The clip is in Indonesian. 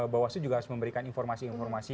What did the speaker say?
bawas itu juga harus memberikan informasi informasi